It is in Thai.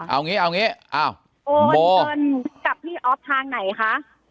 เอาอันดีอ๋อนเชิญกับพี่ออฟทางไหนคะ